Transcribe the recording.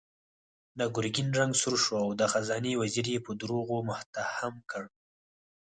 د ګرګين رنګ سور شو او د خزانې وزير يې په دروغو متهم کړ.